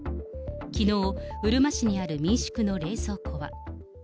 きのう、うるま市にある民宿の冷蔵庫は。